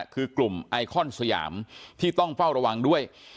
คือกลุ่มไอคอนสยามที่ต้องเฝ้าระวังด้วย